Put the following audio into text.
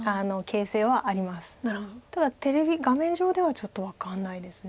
ただ画面上ではちょっと分かんないです。